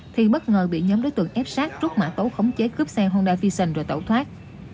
thì bất ngờ bị nhóm đối tượng ép sát rút mã tấu khống chế cướp xe honda vision rồi tẩu thoát